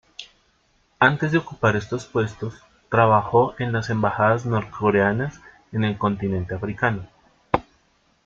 Antes de ocupar estos puestos, trabajó en las embajadas norcoreanas en el continente africano.